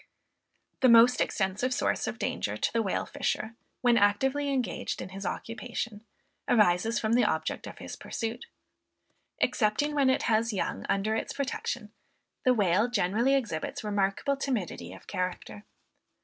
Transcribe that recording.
The most extensive source of danger to the whale fisher, when actively engaged in his occupation, arises from the object of his pursuit. Excepting when it has young under its protection, the whale generally exhibits remarkable timidity of character.